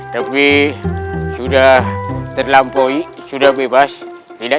tapi sudah terlampaui sudah bebas tidak